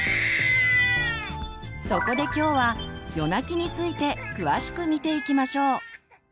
そこで今日は夜泣きについて詳しく見ていきましょう。